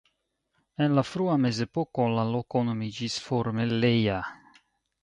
En la frua Mezepoko la loko nomiĝis Formelleia.